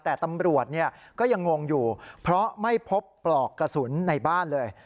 แต่ตำรวจก็ยังงงอยู่เพราะไม่พบปลอกกระสุนในบ้านเลย